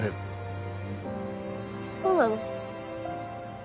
そうなの？